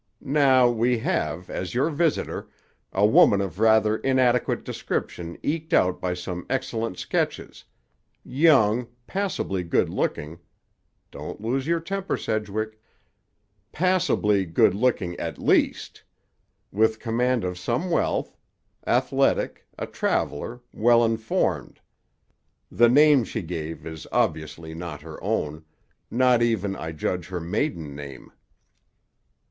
Now, we have, as your visitor, a woman of rather inadequate description eked out by some excellent sketches—young, passably good looking (don't lose your temper, Sedgwick); passably good looking, at least; with command of some wealth; athletic, a traveler, well informed. The name she gave is obviously not her own; not even, I judge, her maiden name."